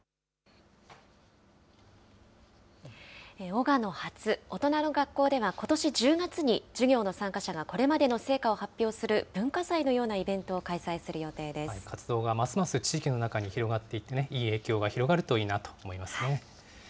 おがの発・大人の学校ではことし１０月に授業の参加者がこれまでの成果を発表する、文化祭のようなイベントを開催する予定で活動がますます地域の中に広がっていって、いい影響が広がるといいなと思いますね。